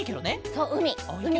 そううみ。